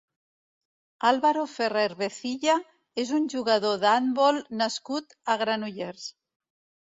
Álvaro Ferrer Vecilla és un jugador d'handbol nascut a Granollers.